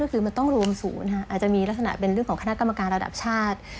ก็คือมันต้องรวมศูนย์อาจจะมีลักษณะเป็นเรื่องของคณะกรรมการระดับชาติ